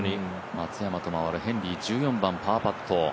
松山と回るヘンリー１４番、パーパット。